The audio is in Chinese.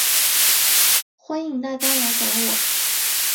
欢迎大家来找我